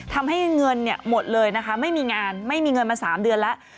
ทำให้เงินหมดเลยนะคะไม่มีงานไม่มีเงินมา๓เดือนแล้ว